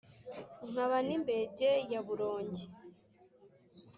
nkaba n’imbege ya burongi,